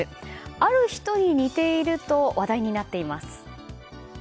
ある人に似ていると話題になっています。